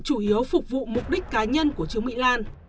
chủ yếu phục vụ mục đích cá nhân của trương mỹ lan